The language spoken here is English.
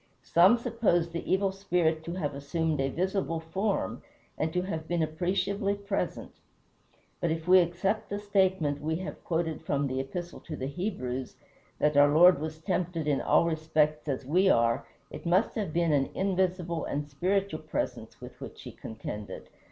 Some suppose the Evil Spirit to have assumed a visible form, and to have been appreciably present. But if we accept the statement we have quoted from the Epistle to the Hebrews, that our Lord was tempted in all respects as we are, it must have been an invisible and spiritual presence with which he contended.